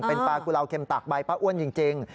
เป็นปลากุลาวเข็มตากใบป้าอ้วนจริง